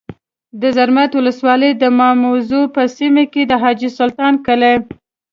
د زرمت ولسوالۍ د ماموزو په سیمه کي د حاجي سلطان کلی